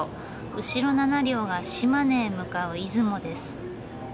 後ろ７両が島根へ向かう出雲です。